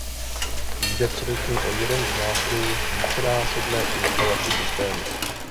Jde především o jeden z nástrojů k vícenásobné instalaci systému.